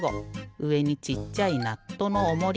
うえにちっちゃいナットのおもり。